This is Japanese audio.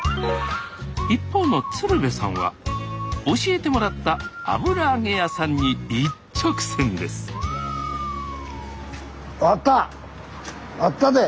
一方の鶴瓶さんは教えてもらった油揚げ屋さんに一直線ですあったで！